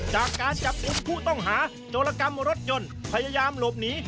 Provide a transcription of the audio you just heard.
จากการจับกลุ่มผู้ต้องหาโจรกรรมรถยนต์พยายามหลบหนี